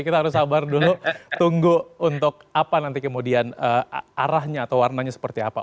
kita harus sabar dulu tunggu untuk apa nanti kemudian arahnya atau warnanya seperti apa